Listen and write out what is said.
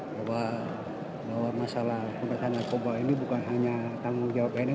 bahwa masalah pemberantasan narkoba ini bukan hanya tanggung jawab pns